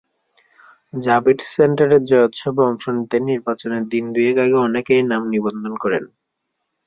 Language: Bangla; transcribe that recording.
জাভিটস সেন্টারের জয়োৎসবে অংশ নিতে নির্বাচনের দিন দুয়েক আগে অনেকেই নাম নিবন্ধন করেন।